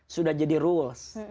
sudah jadi rules